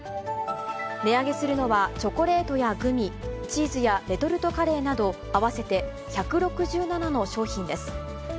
値上げするのは、チョコレートやグミ、チーズやレトルトカレーなど、合わせて１６７の商品です。